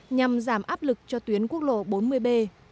nhằm giảm áp lực cho tuyến quốc lộ bốn mươi b